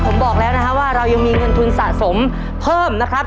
ผมบอกแล้วนะฮะว่าเรายังมีเงินทุนสะสมเพิ่มนะครับ